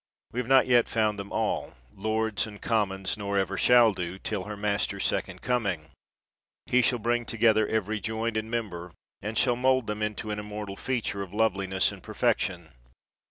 We have not yet found them all, lords and commons, nor ever shall do, till her Master 's second coming ; He shall bring together every joint and member, and shall mold them into an immortal feature of loveliness and per fection.